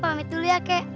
terima pamit dulu ya kek